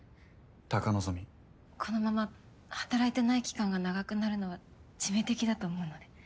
このまま働いてない期間が長くなるのは致命的だと思うので。